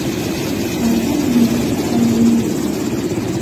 Aku memiliki kaleidoskop.